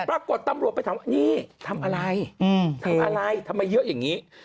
ปรากฏตำรวจไปถามว่านี่ทำอะไรทำอะไรทำไมเยอะอย่างนี้